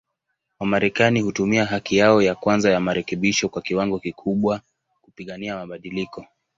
Wamarekani hutumia haki yao ya kwanza ya marekebisho kwa kiwango kikubwa, kupigania mabadiliko.